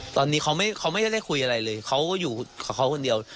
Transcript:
ตอนนี้เขาไม่ได้คุยอะไรเลยเขาอยู่กับเขาคนเดียว